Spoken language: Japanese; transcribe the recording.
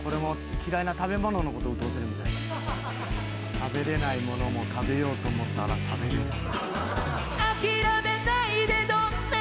「食べれないものも食べようと思ったら食べれる」よっしゃ！